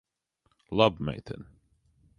Laba meitene.